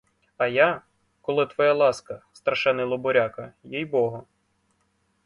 А я, коли твоя ласка, страшенний лобуряка. їй-богу!